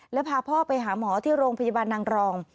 แล้วพาพ่อไปหาหมอที่โรงพยาบาลนางรอง